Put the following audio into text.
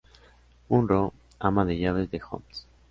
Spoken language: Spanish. Munro, ama de llaves de Holmes.